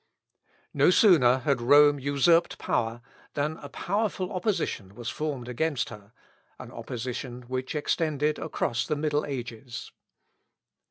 No sooner had Rome usurped power than a powerful opposition was formed against her, an opposition which extended across the middle ages.